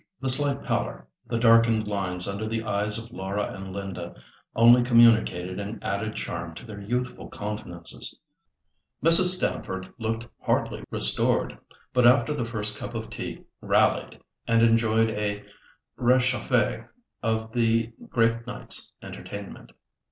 The slight pallor, the darkened lines under the eyes of Laura and Linda, only communicated an added charm to their youthful countenances. Mrs. Stamford looked hardly restored, but after the first cup of tea rallied, and enjoyed a réchauffé of the great night's entertainment.